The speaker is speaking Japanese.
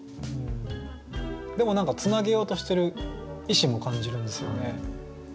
でも何かつなげようとしてる意志も感じるんですよね。